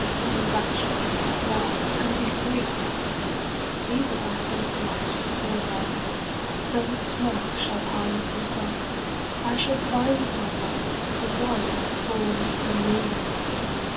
O rapture, to fly And be free! Be the battle lost or won, 5 Though its smoke shall hide the sun, I shall find my love—the one Born for me!